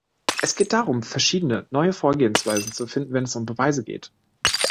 Es geht darum, verschiedene neue Vorgehensweisen zu finden, wenn es um Beweise geht.